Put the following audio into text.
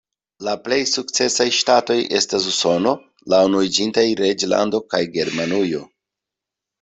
La plej sukcesaj ŝtatoj estas Usono, la Unuiĝinta Reĝlando kaj Germanujo.